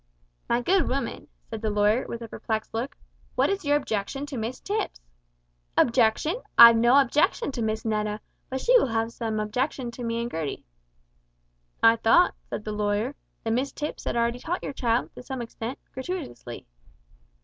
"My good woman," said the lawyer with a perplexed look, "what is your objection to Miss Tipps?" "Objection? I've no objection to Miss Netta, but she will have some objection to me and Gertie." "I thought," said the lawyer, "that Miss Tipps had already taught your child, to some extent, gratuitously."